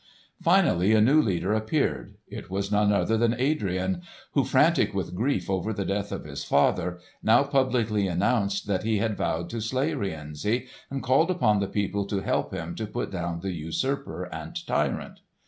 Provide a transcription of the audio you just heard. Finally, a new leader appeared. It was none other than Adrian, who, frantic with grief over the death of his father, now publicly announced that he had vowed to slay Rienzi, and called upon the people to help him to put down the usurper and tyrant.